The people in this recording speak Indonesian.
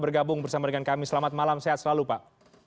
bergabung bersama dengan kami selamat malam sehat selalu pak